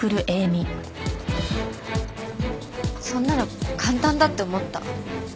そんなの簡単だって思った。